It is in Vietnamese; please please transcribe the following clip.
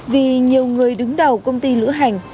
vì nhiều người đứng đầu công ty lưỡng hành